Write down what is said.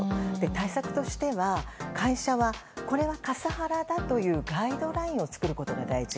対策としては会社はこれはカスハラだというガイドラインを作ることが大事。